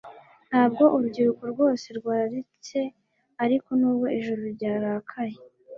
Ntabwo urubyiruko rwose rwaretse ariko nubwo ijuru ryarakaye